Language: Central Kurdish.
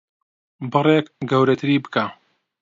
بڕێک گەورەتری بکە.